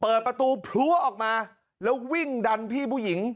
เปิดประตูพลัวออกมาแล้ววิ่งดันพี่ผู้หญิง